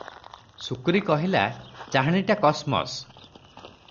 "ଶୁକ୍ରୀ କହିଲା," ଚାହାଣିଟା କସ୍ ମସ୍ ।"